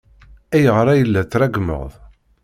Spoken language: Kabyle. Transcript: Ayɣer ay la treggmeḍ?